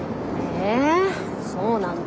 えそうなんだ。